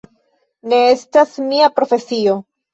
Ne estas mia profesio.